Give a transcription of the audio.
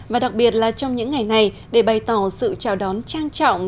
và đặc biệt là trong những ngày này để bày tỏ sự chào đón trang trọng